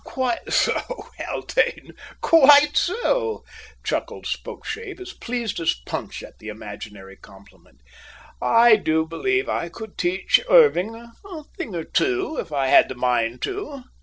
"Quite so, Haldane; quite so," chuckled Spokeshave, as pleased as Punch at the imaginary compliment. "I do believe I could teach Irving a thing or two if I had the mind to!"